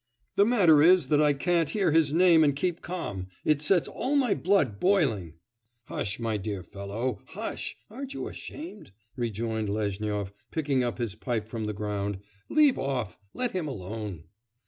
'The matter is, that I can't hear his name and keep calm; it sets all my blood boiling!' 'Hush, my dear fellow, hush! aren't you ashamed?' rejoined Lezhnyov, picking up his pipe from the ground. 'Leave off! Let him alone!